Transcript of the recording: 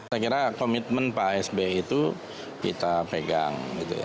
saya kira komitmen pak sby itu kita pegang